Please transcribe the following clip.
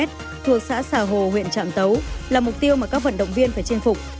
thuộc xã xà hồ huyện trạm tấu là mục tiêu mà các vận động viên phải chinh phục